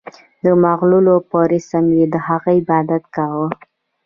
د مغولو په رسم یې د هغه عبادت کاوه.